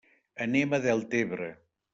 Anem a Deltebre.